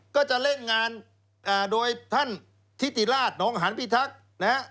ก็จะเล่นงานโดยท่านทิติราชน้องหานพิทักษ์นะฮะ